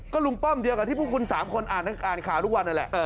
ลุงป้อมเดียวกับที่พวกคุณ๓คนอ่านข่าวทุกวันนั่นแหละ